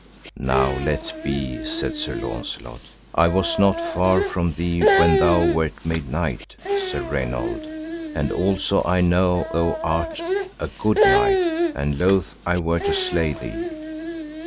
Now let be, said Sir Launcelot, I was not far from thee when thou wert made knight, Sir Raynold, and also I know thou art a good knight, and loath I were to slay thee.